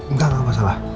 nggak nggak masalah